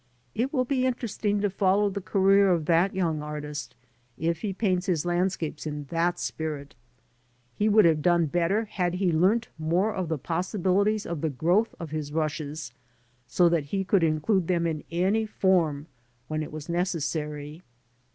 It will be interesting to follow the career of that young artist if he paints his landscapes in that spirit. He would have done better had he learnt more of the possibilities of the growth of his rushes, so that he could include them in any form when it was necessary.